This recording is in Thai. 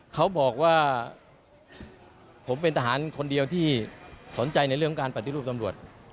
เขาบอกว่าผมเป็นทหารคนเดียวที่สนใจในเรื่องการปฏิรูปตำรวจ